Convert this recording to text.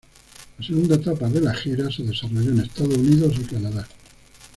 La segunda etapa de la gira se desarrolló en Estados Unidos y Canadá.